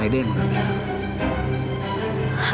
ada yang mau ngambil kamu